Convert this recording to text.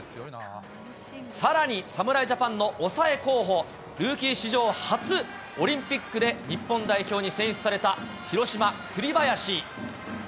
さらに侍ジャパンの抑え候補、ルーキー史上初、オリンピックで日本代表に選出された、広島、栗林。